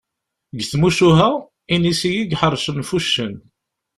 Deg tmucuha, inisi i iḥeṛcen ɣef uccen.